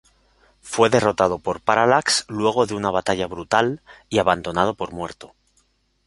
Fue derrotado por Parallax luego de una batalla brutal, y abandonado por muerto.